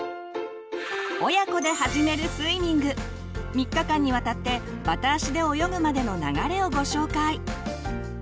３日間にわたってバタ足で泳ぐまでの流れをご紹介。